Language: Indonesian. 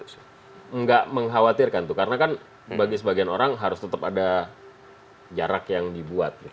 ya nggak saya cuma mengkhawatirkan karena kan bagi sebagian orang harus tetap ada jarak yang dibuat